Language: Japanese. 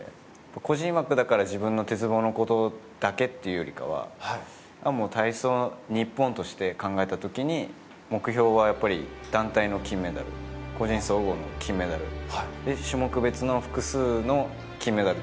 個人枠だから自分の鉄棒の事だけっていうよりかは体操ニッポンとして考えた時に目標は、やっぱり団体の金メダル個人総合の金メダル種目別の複数の金メダル。